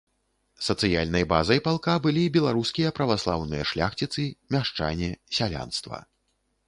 Сацыяльнай базай палка былі беларускія праваслаўныя шляхціцы, мяшчане, сялянства.